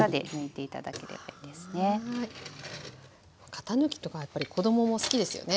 型抜きとかやっぱり子どもも好きですよね。